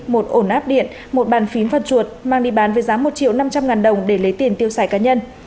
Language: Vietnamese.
một ổ áp điện một bàn phím và chuột mang đi bán với giá một triệu năm trăm linh ngàn đồng để lấy tiền tiêu xài cá nhân